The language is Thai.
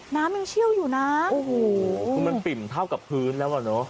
น้ำยังเชี่ยวอยู่นะโอ้โหคือมันปิ่มเท่ากับพื้นแล้วอ่ะเนอะ